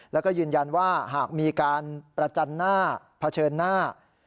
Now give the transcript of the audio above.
แล้วก็ยืนยันว่าหากมีการประจันหน้าเผชิญหน้า